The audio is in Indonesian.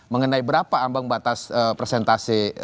mengenai berapa ambang batas presentasi